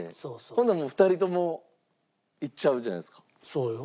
ほんならもう２人とも行っちゃうじゃないですか。